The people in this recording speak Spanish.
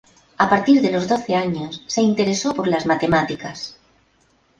A partir de los doce años se interesó por las matemáticas.